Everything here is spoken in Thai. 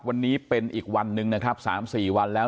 วันนี้เป็นอีกวันหนึ่งนะครับ๓๔วันแล้ว